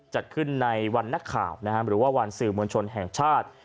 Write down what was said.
จัดขึ้นในวันนักข่าวหรือว่าวันสื่อมวลชนแห่งชาติ